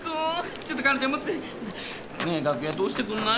ちょっと薫ちゃん持ってて！ねぇ楽屋通してくんない？